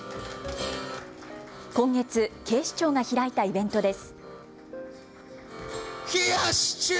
今月、警視庁が開いたイベントです。